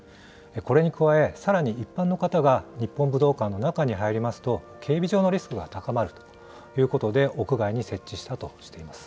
これに加え、さらに一般の方が日本武道館の中に入りますと、警備上のリスクが高まるということで、屋外に設置したとしています。